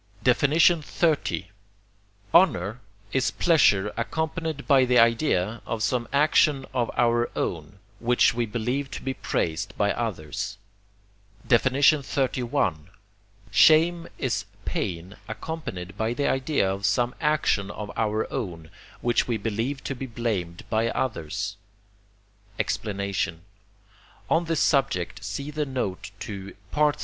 XXX. Honour is pleasure accompanied by the idea of some action of our own, which we believe to be praised by others. Gloria. XXXI. Shame is pain accompanied by the idea of some action of our own, which we believe to be blamed by others. Explanation On this subject see the note to III.